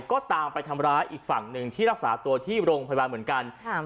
ก็ตามไปทำร้ายอีกฝั่งหนึ่งที่รักษาตัวที่โรงพยาบาลเหมือนกันค่ะ